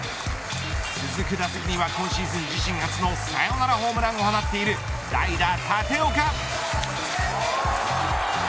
続く打席には今シーズン自身初のサヨナラホームランを放っている代打立岡。